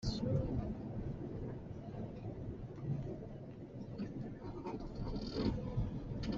Meheh nih a rawlret a khai.